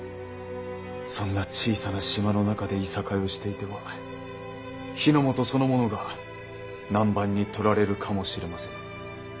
そんな小さな島の中でいさかいをしていては日ノ本そのものが南蛮に取られるかもしれませぬ。